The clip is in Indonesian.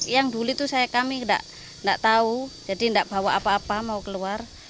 yang dulu itu kami tidak tahu jadi tidak bawa apa apa mau keluar